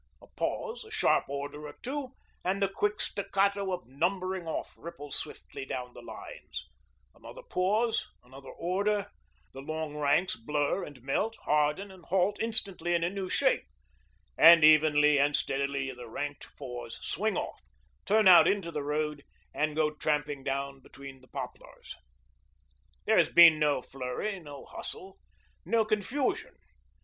A pause, a sharp order or two, and the quick staccato of 'numbering off' ripples swiftly down the lines; another pause, another order, the long ranks blur and melt, harden and halt instantly in a new shape; and evenly and steadily the ranked fours swing off, turn out into the road, and go tramping down between the poplars. There has been no flurry, no hustle, no confusion.